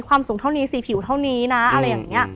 สูงเท่านี้๔ผิวเท่านี้นะอะไรอย่างนี้